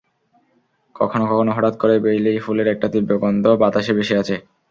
কখনো কখনো হঠাৎ করেই বেলি ফুলের একটা তীব্র গন্ধ বাতাসে ভেসে আসে।